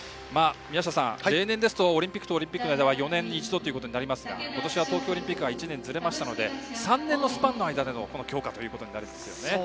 例年ですとオリンピックとオリンピックの間は４年に一度となりますが今年は東京オリンピックが１年ずれましたので３年のスパンでの強化となります。